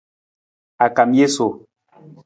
A kam jesu.